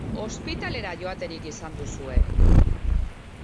Ospitalera joaterik izan duzue?